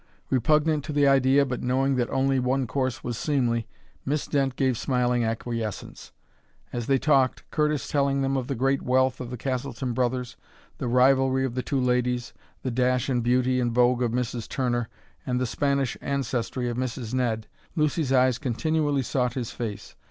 Repugnant to the idea but knowing that only one course was seemly, Miss Dent gave smiling acquiescence. As they talked, Curtis telling them of the great wealth of the Castleton brothers, the rivalry of the two ladies, the dash and beauty and vogue of Mrs. Turner, and the Spanish ancestry of Mrs. Ned, Lucy's eyes continually sought his face.